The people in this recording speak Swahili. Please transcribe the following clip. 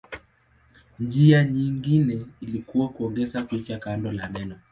Njia nyingine ilikuwa kuongeza picha kando la maneno.